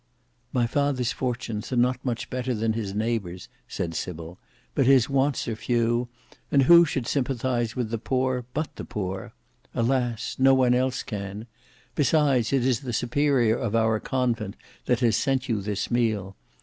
"My father's fortunes are not much better than his neighbours," said Sybil, "but his wants are few; and who should sympathise with the poor, but the poor? Alas! none else can. Besides, it is the Superior of our convent that has sent you this meal.